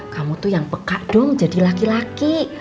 kamu tuh yang peka dong jadi laki laki